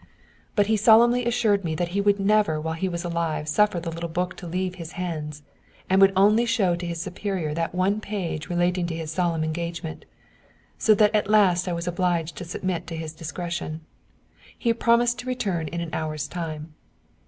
But he solemnly assured me that he would never while he was alive suffer the little book to leave his hands, and would only show to his superior that one page relating to his solemn engagement, so that at last I was obliged to submit to his discretion. He promised to return in an hour's time.